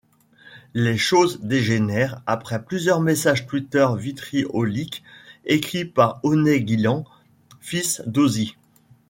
Les choses dégénèrent après plusieurs messages Twitter vitrioliques écrits par Oney Guillen, fils d'Ozzie.